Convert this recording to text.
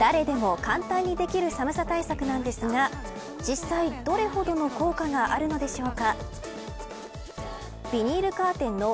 誰でも簡単にできる寒さ対策なんですが実際、どれほどの効果があるのでしょうか。